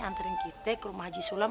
anterin kita ke rumah haji sulam